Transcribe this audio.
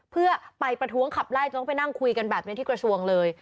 เพื่อไปประท้วงขับไล่จนต้องไปนั่งคุยกันแบบนี้ที่กระทรวงเลย